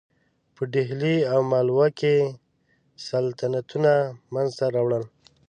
په ډهلي او مالوه کې سلطنتونه منځته راوړل.